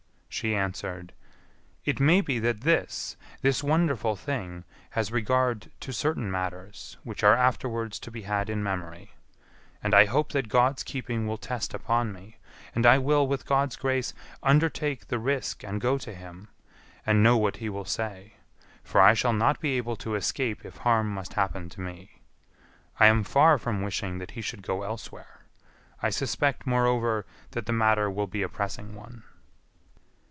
She answered, "It may be that this, this wonderful thing, has regard to certain matters, which are afterwards to be had in memory; and I hope that God's keeping will test upon me, and I will, with God's grace, undertake the risk and go to him, and know what he will say, for I shall not be able to escape if harm must happen to me. I am far from wishing that he should go elsewhere; I suspect, moreover, that the matter will be a pressing one."